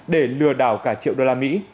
để lừa đảo cả triệu đô la mỹ